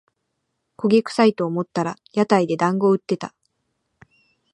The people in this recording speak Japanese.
焦げくさいと思ったら屋台でだんご売ってた